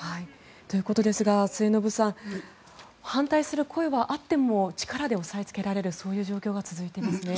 ということですが末延さん反対する声はあっても力で抑えつけられる状況が続いていますね。